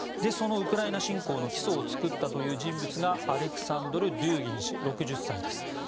そのウクライナ侵攻の基礎を作ったとされる人物がアレクサンドル・ドゥーギン氏６０歳です。